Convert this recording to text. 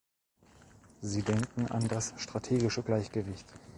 Sie denken an das strategische Gleichgewicht.